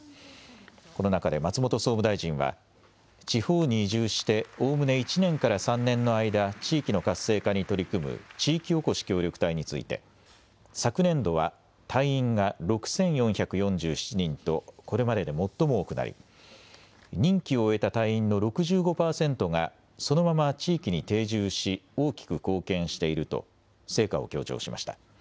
この中で松本総務大臣は地方に移住しておおむね１年から３年の間、地域の活性化に取り組む地域おこし協力隊について昨年度は隊員が６４４７人とこれまでで最も多くなり任期を終えた隊員の６５％がそのまま地域に定住し大きく貢献していると成果を強調しました。